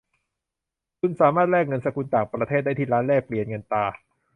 คุณสามารถแลกเงินสกุลต่างประเทศได้ที่ร้านแลกเปลี่ยนเงินตรา